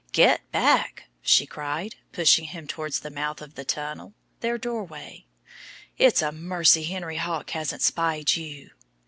"Get back!" she cried, pushing him towards the mouth of the tunnel their doorway. "It's a mercy Henry Hawk hasn't spied you."